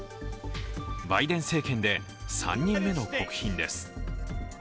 バイデン政権で３人目の国賓です。